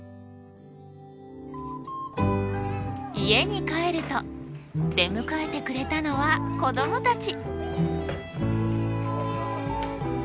家に帰ると出迎えてくれたのは子供たち。